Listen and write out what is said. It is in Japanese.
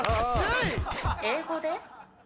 英語で？